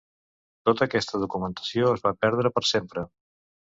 Tota aquesta documentació es va perdre per sempre.